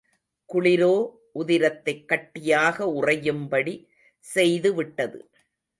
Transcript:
குளிரோ உதிரத்தைக் கட்டியாக உறையும்படி செய்து விட்டது.